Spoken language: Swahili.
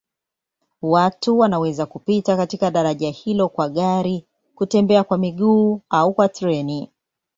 Watu wanaweza kupita katika daraja hilo kwa gari, kutembea kwa miguu au kwa treni.